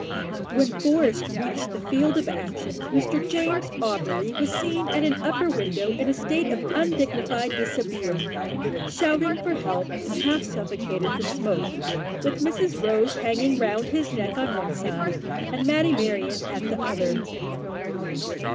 When Forest reached the field of action, Mr James Auberly was seen at an upper window in a state of undignified dishabille, shouting for help, and half suffocated with smoke, with Mrs Rose hanging round his neck on one side and Matty Merryon at the other.